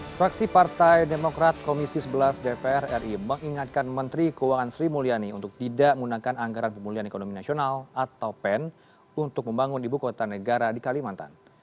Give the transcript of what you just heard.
fraksi partai demokrat komisi sebelas dpr ri mengingatkan menteri keuangan sri mulyani untuk tidak menggunakan anggaran pemulihan ekonomi nasional atau pen untuk membangun ibu kota negara di kalimantan